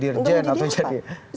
siapa yang tahu